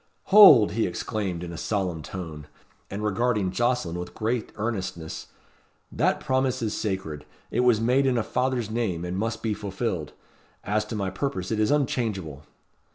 "Hold!" he exclaimed in a solemn tone, and regarding Jocelyn with great earnestness. "That promise is sacred. It was made in a father's name, and must be fulfilled. As to my purpose it is unchangeable."